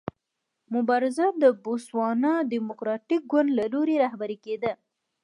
مبارزه د بوتسوانا ډیموکراټیک ګوند له لوري رهبري کېده.